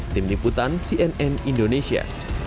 tim liputan cnn indonesia